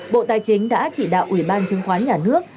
bộ tài chính đã chỉ đạo ủy ban chứng khoán nhà nước